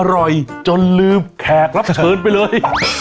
อร่อยจนลืมแขกรับเชิญไปเลย